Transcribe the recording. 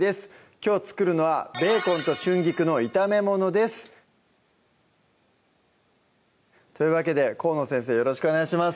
きょう作るのは「ベーコンと春菊の炒めもの」ですというわけで河野先生よろしくお願いします